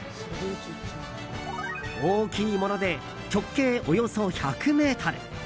大きいもので直径およそ１００ｍ。